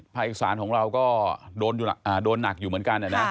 อีสานของเราก็โดนหนักอยู่เหมือนกันนะ